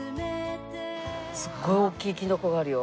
すごい大きいキノコがあるよ。